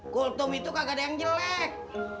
kultum itu kagak ada yang jelek